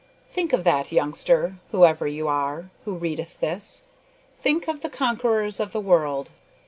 Think of that, youngster, whoever you are, who readeth this. Think of the conquerors of the world.